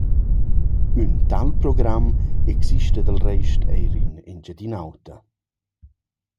Ün tal program exista dal rest eir in Engiadin’Ota.